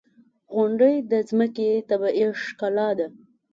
• غونډۍ د ځمکې طبیعي ښکلا ده.